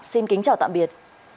xin kính chào tạm biệt